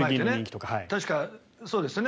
確か、そうですね。